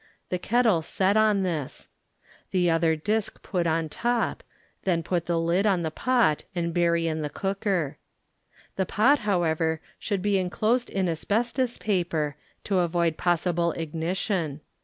the kettle set on this; the other dbk put on top, then put the Ud on the pot and bury in the cooker. The pot, however, should be inclosed in asbestos paper to avoid pos sible ignition.